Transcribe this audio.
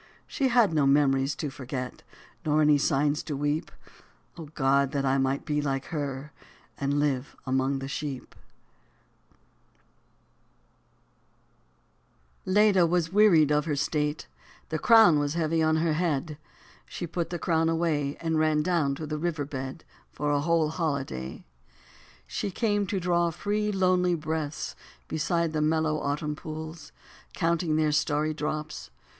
She had no memories to forget, Nor any sins to weep ; O God, that I might be like her, And live among the sheep 1 70 LEDA was wearied of her state, the crown was heavy on her head ; She put the crown away, And ran down to the river bed For a whole holiday. She came to draw free, lonely breaths beside the mellow, autumn pools ; Counting their starry drops.